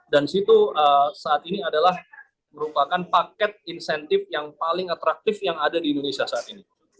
dan itu saat ini adalah merupakan paket insentif yang paling atraktif yang ada di indonesia saat ini